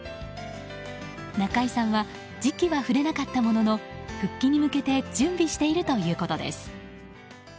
中居さんは時期は触れなかったものの復帰に向けて準備しているということです。